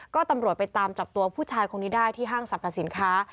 ก็ตำรวจไปตามจับตัวผู้ชายคนนี้ได้ที่ห้างสรรพสินค้า